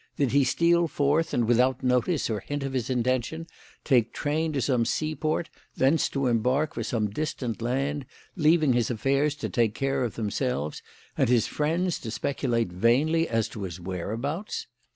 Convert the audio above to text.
Did he steal forth and, without notice or hint of his intention, take train to some seaport, thence to embark for some distant land, leaving his affairs to take care of themselves and his friends to speculate vainly as to his whereabouts?